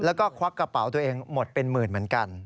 แล้วก็ควักกระเป๋าตัวเองหมดเป็นหมื่นเหมือนกัน